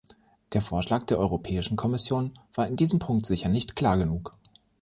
Der Vorschlag der Europäischen Kommission war in diesem Punkt sicher nicht klar genug.